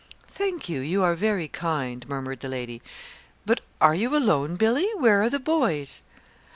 "Thank you, you are very kind," murmured the lady; "but are you alone, Billy? Where are the boys?"